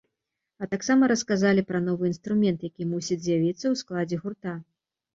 А таксама расказалі пра новы інструмент, які мусіць з'явіцца ў складзе гурта.